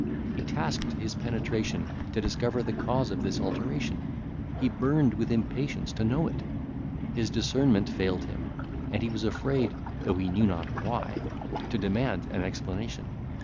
He tasked his penetration to discover the cause of this alteration; he burned with impatience to know it; his discernment failed him, and he was afraid, though he knew not why, to demand an explanation.